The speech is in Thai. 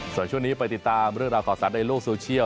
ส่วนช่วงนี้ไปติดตามเรื่องราวข่าวสารในโลกโซเชียล